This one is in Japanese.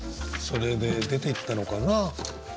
それで出ていったのかな？